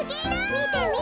みてみて。